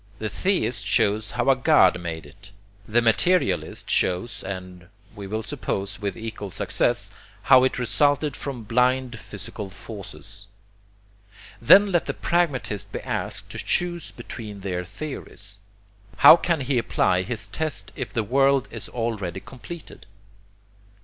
The theist shows how a God made it; the materialist shows, and we will suppose with equal success, how it resulted from blind physical forces. Then let the pragmatist be asked to choose between their theories. How can he apply his test if the world is already completed?